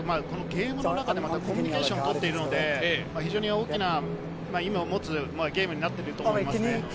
ゲームの中でコミュニケーションがあるので、非常に大きな意味を持つゲームなってると思います。